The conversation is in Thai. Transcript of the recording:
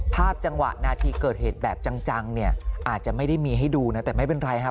ภาพจังหวะนาทีเกิดเหตุแบบจังเนี่ยอาจจะไม่ได้มีให้ดูนะแต่ไม่เป็นไรฮะ